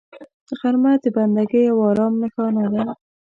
غرمه د بندګۍ او آرام نښانه ده